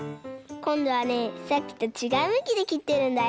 こんどはねさっきとちがうむきできってるんだよ。